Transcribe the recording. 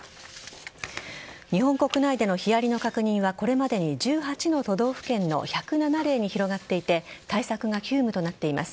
日本国内でのヒアリの確認はこれまでに１８の都道府県の１０７例に広がっていて対策が急務となっています。